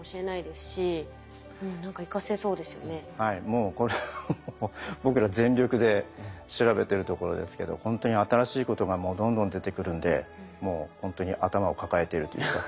もうこれはもう僕ら全力で調べてるところですけどほんとに新しいことがもうどんどん出てくるんでもうほんとに頭を抱えているというか。